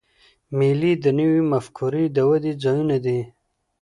مېلې د نوو مفکورې د ودي ځایونه دي.